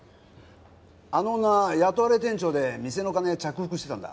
あの女雇われ店長で店のカネ着服してたんだ。